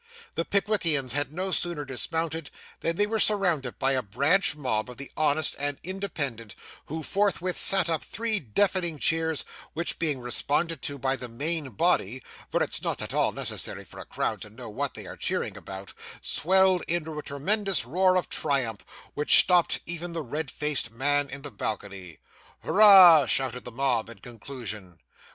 The Pickwickians had no sooner dismounted than they were surrounded by a branch mob of the honest and independent, who forthwith set up three deafening cheers, which being responded to by the main body (for it's not at all necessary for a crowd to know what they are cheering about), swelled into a tremendous roar of triumph, which stopped even the red faced man in the balcony. 'Hurrah!' shouted the mob, in conclusion.